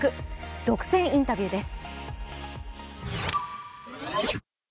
独占インタビューです。